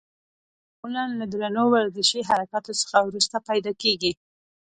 دا معمولا له درنو ورزشي حرکاتو څخه وروسته پیدا کېږي.